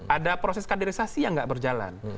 ada proses kaderisasi yang tidak berjalan